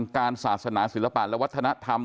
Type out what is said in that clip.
การศาสนาศิลปะและวัฒนธรรม